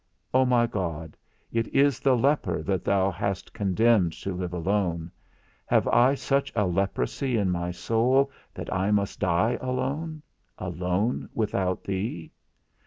O my God, it is the leper that thou hast condemned to live alone; have I such a leprosy in my soul that I must die alone; alone without thee?